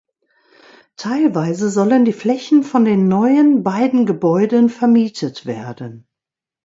Teilweise sollen die Flächen von den neuen, beiden Gebäuden vermietet werden.